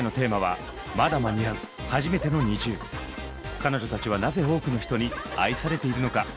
彼女たちはなぜ多くの人に愛されているのか？